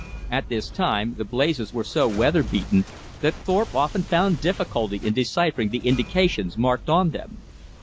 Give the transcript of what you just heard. At this time the blazes were so weather beaten that Thorpe often found difficulty in deciphering the indications marked on them.